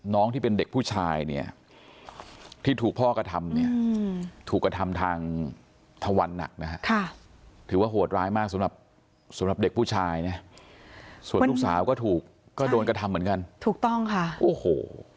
น้องที่เป็นเด็กผู้ชายเนี่ยที่ถูกพ่อกระทำเนี่ยถูกกระทำทางทวันหนักนะฮะถือว่าโหดร้ายมากสำหรับสำหรับเด็กผู้ชายนะส่วนลูกสาวก็ถูกก็โดนกระทำเหมือนกันถูกต้องค่ะโอ้โห